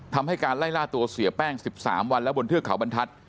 ทำให้การไล่ล่าตัวเสียแป้ง๑๓วันแล้วบนเทือกเขาบรรทัศน